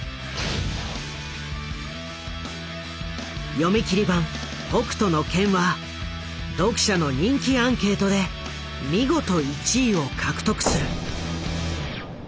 読み切り版「北斗の拳」は読者の人気アンケートで見事１位を獲得する。